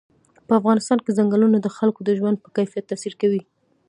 په افغانستان کې ځنګلونه د خلکو د ژوند په کیفیت تاثیر کوي.